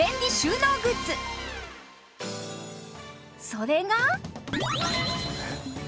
それが